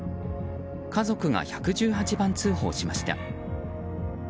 家族が１１８番通報しました。